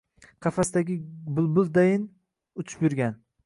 Qafasdagi bulbuldayin uchib yurgan